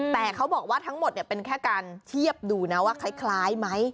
แต่เขาบอกว่าทั้งหมดเป็นแค่การเทียบดูนะว่าคล้ายไหม